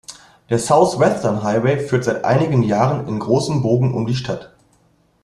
Der South Western Highway führt seit einigen Jahren in großem Bogen um die Stadt.